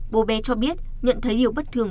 bố bé cho biết nhận thấy hiểu bất thường